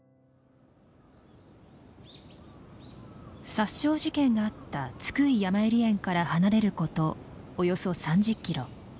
殺傷事件があった津久井やまゆり園から離れることおよそ３０キロ。